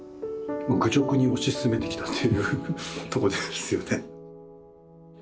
愚直に推し進めてきたというとこですよね。